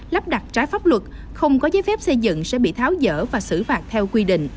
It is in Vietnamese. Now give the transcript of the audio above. lắp đặt trái pháp luật không có giấy phép xây dựng sẽ bị tháo dở và xử phạt theo quy định